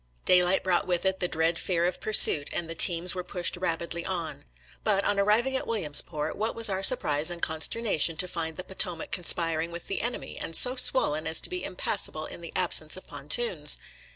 Daylight brought with it the dread fear of pursuit, and the teams were pushed rapidly on. But, on arriving at Williamsport, what was our surprise and consternation to find the Potomac conspiring with the enemy, and so swollen as to be impassable in the absence of pontoons!'